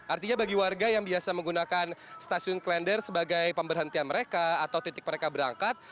artinya bagi warga yang biasa menggunakan stasiun klender sebagai pemberhentian mereka atau titik mereka berangkat